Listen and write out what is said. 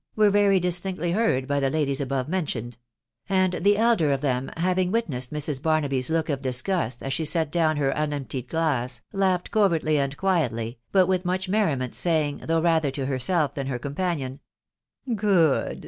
were very distinctly heanA by Aa ladies above mentioned ; and die elder of these* hanlftg wit nessed Mrs. Barnaby's look of disgust as she set down aa unemptied glass, laughed covertly and quietly, Imt wish nmuft merriment, saying, though rather to herself than her east panion, " Good